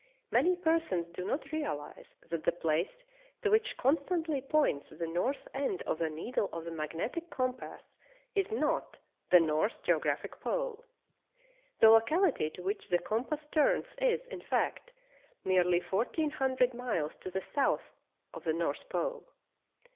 Many persons do not realize that the place to which constantly points the north end of the needle of the magnetic compass is not the north geographic pole. The locality to which the compass turns is, in fact, nearly fourteen hundred miles to the south of the north pole.